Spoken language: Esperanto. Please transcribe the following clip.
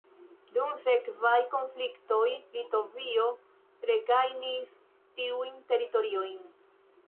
Dum sekvaj konfliktoj Litovio regajnis tiujn teritoriojn.